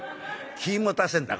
気ぃ持たせんな